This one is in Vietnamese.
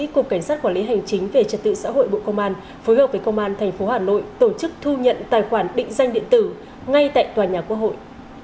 cục cảnh sát quản lý hành chính về trật tự xã hội bộ công an phối hợp với công an tp hà nội tổ chức thu nhận tài khoản định danh điện tử ngay tại tòa nhà quốc hội